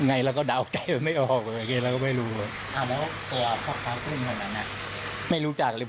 นิสัยดีผู้ชายพ่อ